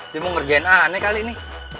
dia mau ngerjain aneh kali ini